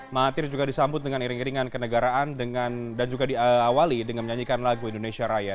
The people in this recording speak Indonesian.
mahathir juga disambut dengan iring iringan kenegaraan dengan dan juga diawali dengan menyanyikan lagu indonesia raya